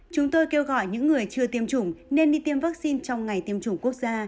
chúng tôi kêu gọi những người chưa tiêm chủng nên đi tiêm vaccine trong ngày tiêm chủng quốc gia